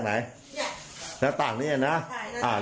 มันหัวมันน่าจะไปทางนู้นแล้วช่วงหางมันผ่านไป